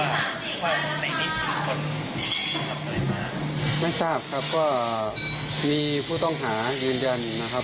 ในนิสทุกคนไม่ทราบครับก็มีผู้ต้องหายืนยันนะครับ